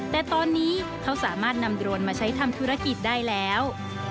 แต่ตอนนี้เขาสามารถนำโดรนมาใช้ทำธุรกิจได้แล้ว